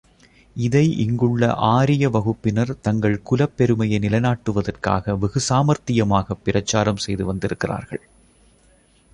இதை இங்குள்ள ஆரிய வகுப்பினர் தங்கள் குலப் பெருமையை நிலைநாட்டுவதற்காக வெகு சாமர்த்தியமாகப் பிரச்சாரம் செய்து வந்திருக்கிறார்கள்.